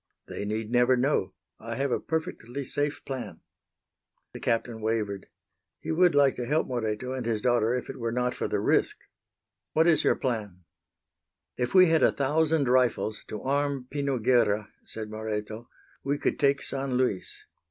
"They need never know. I have a perfectly safe plan." The Captain wavered. He would like to help Moreto and his daughter if it were not for the risk. "What is your plan?" "If we had a thousand rifles to arm Pino Guerra," said Moreto, "we could take San Luis.